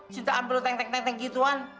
cinta ambil lo teng teng teng gituan